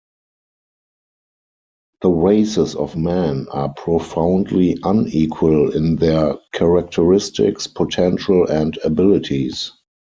The races of Man are profoundly unequal in their characteristics, potential and abilities.